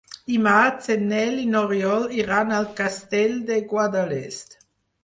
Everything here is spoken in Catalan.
Dimarts en Nel i n'Oriol iran al Castell de Guadalest.